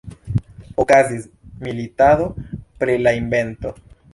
Okazis militado pri la invento.